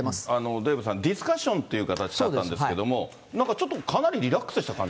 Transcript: デーブさん、ディスカッションという形だったんですけど、なんかちょっと、かなりリラックスした感じ？